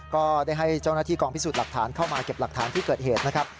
ก็ได้ให้เจ้าหน้าที่กองพิสูจน์หลักฐานเข้ามาเก็บหลักฐานที่เกิดเหตุนะครับ